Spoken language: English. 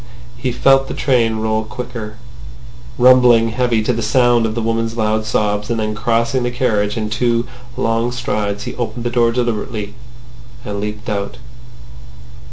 He felt the train roll quicker, rumbling heavily to the sound of the woman's loud sobs, and then crossing the carriage in two long strides he opened the door deliberately, and leaped out.